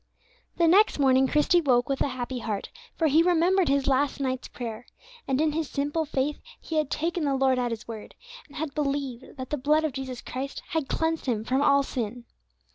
The next morning Christie woke with a happy heart, for he remembered his last night's prayer, and in his simple faith he had taken the Lord at His word, and had believed that the blood of Jesus Christ had cleansed him from all sin.